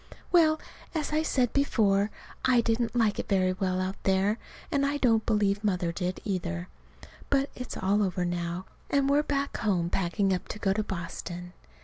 Well, as I said before, I didn't like it very well out there, and I don't believe Mother did, either. But it's all over now, and we're back home packing up to go to Boston.